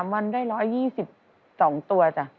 วันได้๑๒๒ตัวจ้ะ